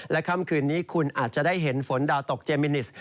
ค่ำคืนนี้คุณอาจจะได้เห็นฝนดาวตกเจมินิส